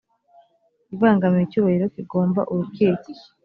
ibangamiye icyubahiro kigomba urukiko